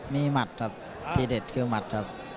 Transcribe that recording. มีหมัดครับที่เด็ดคือหมัดครับ